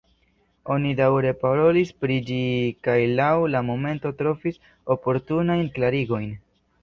Oni daŭre parolis pri ĝi kaj laŭ la momento trovis oportunajn klarigojn.